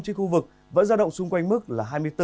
trên khu vực vẫn ra động xung quanh mức là